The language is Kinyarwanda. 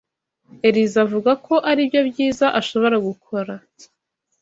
Elyse avuga ko aribyo byiza ashobora gukora.